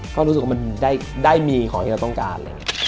ก็รู้สึกว่ามันได้มีของที่เราต้องการ